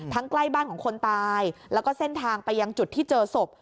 ใกล้บ้านของคนตายแล้วก็เส้นทางไปยังจุดที่เจอศพ